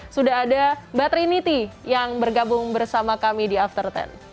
sudah ada mbak trinity yang bergabung bersama kami di after sepuluh